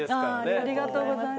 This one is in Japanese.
ありがとうございます。